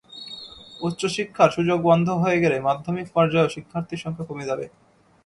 উচ্চশিক্ষার সুযোগ বন্ধ হয়ে গেলে মাধ্যমিক পর্যায়েও শিক্ষার্থীর সংখ্যা কমে যাবে।